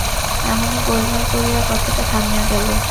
এমনি গোলমাল করিয়া কথাটা থামিয়া গেল।